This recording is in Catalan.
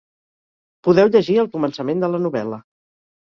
Podeu llegir el començament de la novel·la.